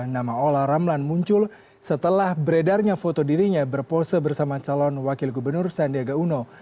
nama ola ramlan muncul setelah beredarnya foto dirinya berpose bersama calon wakil gubernur sandiaga uno